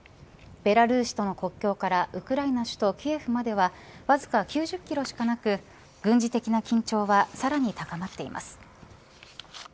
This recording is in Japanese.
ベラルーシとの国境からウクライナの首都キエフまではわずか９０キロしかなく軍事的な緊張はさらに高まっています。